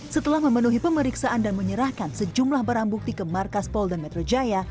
setelah memenuhi pemeriksaan dan menyerahkan sejumlah barang bukti ke markas polda metro jaya